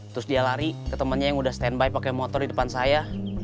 terus dia lari ke temannya yang udah standby pakai motor di depan saya